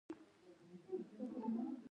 تاریخ د خپل وخت د خلکو د چلند انځور دی.